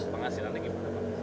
penghasilannya gimana pak